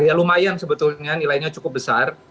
ya lumayan sebetulnya nilainya cukup besar